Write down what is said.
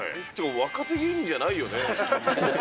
若手芸人じゃないよね。